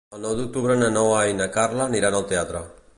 El nou d'octubre na Noa i na Carla aniran al teatre.